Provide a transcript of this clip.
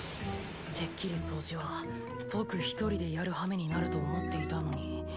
てっきり掃除は僕一人でやるはめになると思っていたのに。